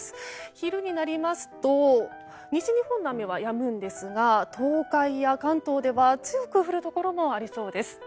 昼になりますと西日本の雨はやむんですが東海や関東では強く降るところもありそうです。